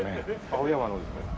青山のですか？